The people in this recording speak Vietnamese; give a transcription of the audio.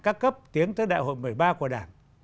các cấp tiến tới đại hội một mươi ba của đảng